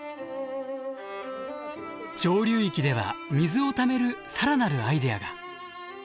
上流域では水をためる更なるアイデアが。